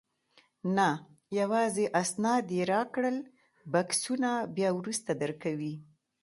نه، یوازې اسناد یې راکړل، بکسونه بیا وروسته درکوي.